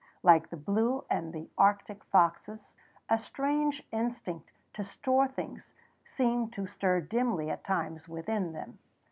Like the blue and the Arctic foxes, a strange instinct to store things seems to stir dimly at times within them.